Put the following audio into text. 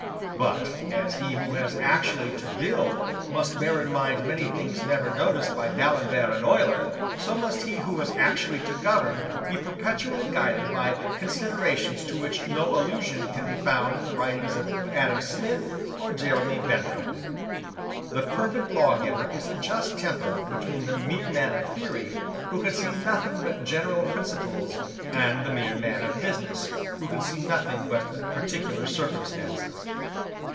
But, as he who has actually to build must bear in mind many things never noticed by D'Alembert and Euler, so must he who has actually to govern be perpetually guided by considerations to which no allusion can be found in the writings of Adam Smith or Jeremy Bentham. The perfect lawgiver is a just temper between the mere man of theory, who can see nothing but general principles, and the mere man of business, who can see nothing but particular circumstances.